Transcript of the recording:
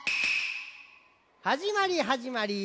はじまりはじまり。